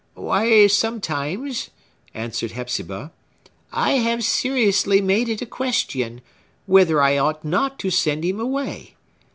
"Why, sometimes," answered Hepzibah, "I have seriously made it a question, whether I ought not to send him away.